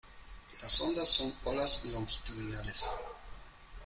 las ondas son olas longitudinales.